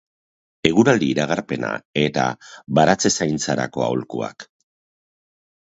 Eguraldi iragarpena eta baratzezaintzarako aholkuak.